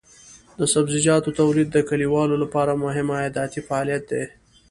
د سبزیجاتو تولید د کليوالو لپاره مهم عایداتي فعالیت دی.